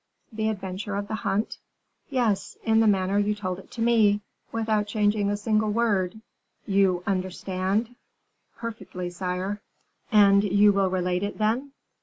"The adventure of the hunt?" "Yes; in the same manner you told it to me, without changing a single word you understand?" "Perfectly, sire." "And you will relate it, then?"